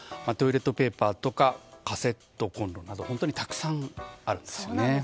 トイレットペーパーとかカセットコンロなど本当にたくさんあるんですね。